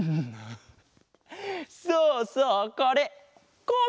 そうそうこれコマ！